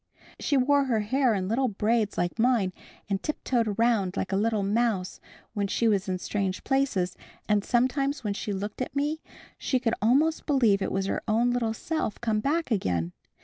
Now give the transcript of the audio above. She wore her hair in little braids like mine and tiptoed around like a little mouse when she was in strange places, and sometimes when she looked at me she could almost believe it was her own little self come back again.